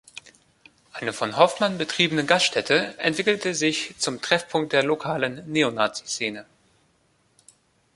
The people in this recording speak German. Eine von Hoffmann betriebene Gaststätte entwickelte sich zum Treffpunkt der lokalen Neonaziszene.